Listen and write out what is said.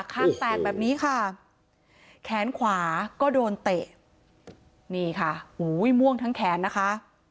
ข้างแตกแบบนี้ค่ะแขนขวาก็โดนเตะนี่ค่ะอุ้ยม่วงทั้งแขนนะคะ